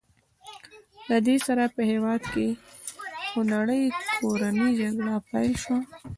له دې سره په هېواد کې خونړۍ کورنۍ جګړه پیل شوه.